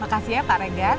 makasih ya pak regan